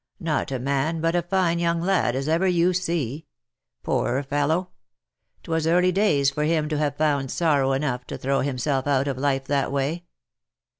" Not a man, but a fine young lad as ever you see. Poor fellow ! 'Twas early days for him to have found sorrow enough to throw himself out of life that way